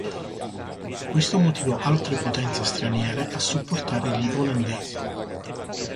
Questo motivò altre potenze straniere a supportare gli olandesi.